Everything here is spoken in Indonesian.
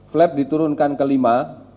flap diturunkan kelima